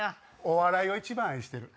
お笑いを一番愛してる。